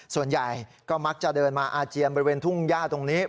ส่วนใหญ่ก็มักจะเดินมาอาเจียนบริเวณทุ่งย่าตรงนี้